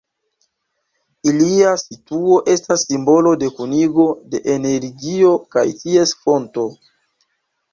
Ilia situo estas simbolo de kunigo de energio kaj ties fonto.